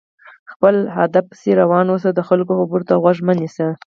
خپل هدف پسې روان اوسه، د خلکو خبرو ته غوږ مه نيسه!